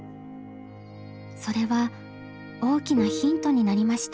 それは大きなヒントになりました。